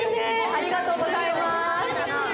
ありがとうございます。